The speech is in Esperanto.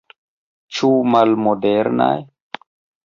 Ĉu malmodernaj?